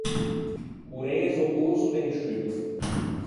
Correze o corso de un sciumme.